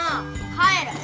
帰る。